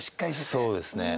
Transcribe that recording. そうですね。